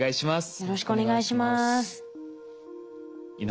よろしくお願いします。